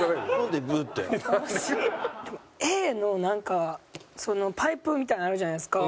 Ａのなんかパイプみたいなのあるじゃないですか。